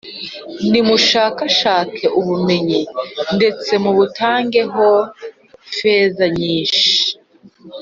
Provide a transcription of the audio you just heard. Nimushakashake ubumenyi, ndetse mubutangeho feza nyinshi;